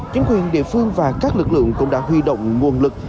chính quyền địa phương và các lực lượng cũng đã huy động nguồn lực